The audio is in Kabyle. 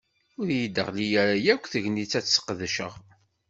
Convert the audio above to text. Ur yi-d-teɣli ara yakk tegnit ad t-ssqedceɣ.